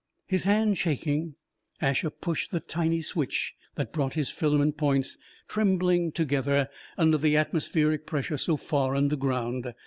His hand shaking, Asher pushed the tiny switch that brought his filament points trembling together under the atmospheric pressure so far underground.